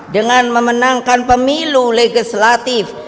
dengan memenangkan pemilu legislatif